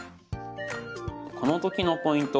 この時のポイント。